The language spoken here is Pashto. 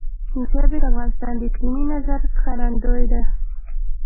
ژبې د افغانستان د اقلیمي نظام ښکارندوی ده.